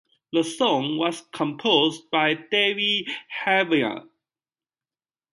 The song was composed by David Heavener.